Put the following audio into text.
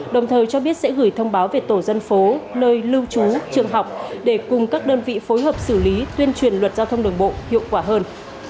đồng thời cho biết sẽ gửi thông báo về tổ dân phố nơi lưu trú trường học để cùng các đơn vị phối hợp xử lý tuyên truyền luật giao thông đường bộ hiệu quả hơn